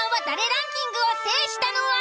ランキングを制したのは。